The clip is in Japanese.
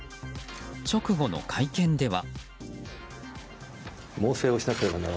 直後の会見では。